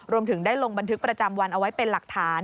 รวมถึงได้ลงบันทึกประจำวันเอาไว้เป็นหลักฐาน